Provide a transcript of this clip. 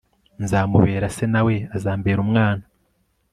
Nzamubera se na we azambera umwana